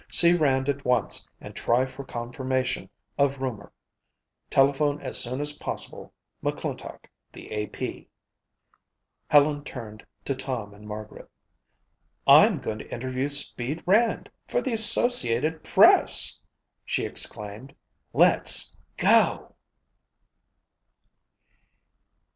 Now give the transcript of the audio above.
See Rand at once and try for confirmation of rumor. Telephone as soon as possible. McClintock, The AP." Helen turned to Tom and Margaret. "I'm to interview 'Speed' Rand for the Associated Press," she exclaimed. "Let's go!"